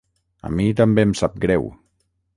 A mi també em sap greu.